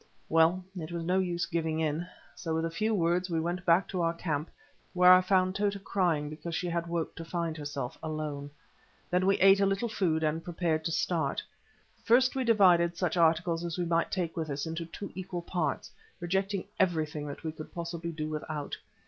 Well, it was no use giving in, so with a few words we went back to our camp, where I found Tota crying because she had woke to find herself alone. Then we ate a little food and prepared to start. First we divided such articles as we must take with us into two equal parts, rejecting everything that we could possibly do without.